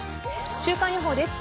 週間予報です。